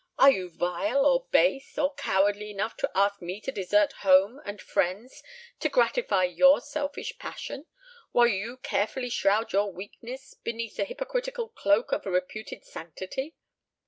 Are you vile, or base, or cowardly enough to ask me to desert home and friends to gratify your selfish passion, while you carefully shroud your weakness beneath the hypocritical cloak of a reputed sanctity?